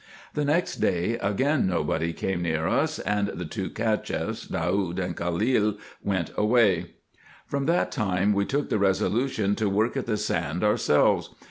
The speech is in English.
The next day again nobody came near us, and the two Cacheffs Daoud and Khalil went away. From that time we took the resolution to work at the sand ourselves.